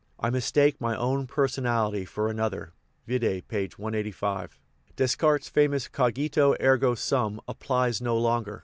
I mistake my own personality for another (vide p. 185) ; Descartes' famous Cogito ergo sum applies no longer.